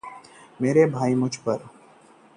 मेरा भाई पैसों के लिए मुझपर निर्भर है।